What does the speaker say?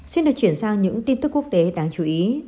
xin được chuyển sang những tin tức quốc tế đáng chú ý